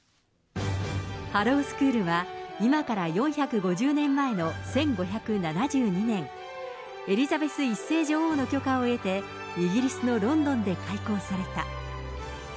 ハロウスクールは、今から４５０年前の１５７２年、エリザベス１世女王の許可を得て、イギリスのロンドンで開校された。